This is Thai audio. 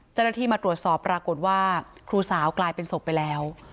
เจ้าหน้าที่มาตรวจสอบปรากฏว่าครูสาวกลายเป็นศพไปแล้ว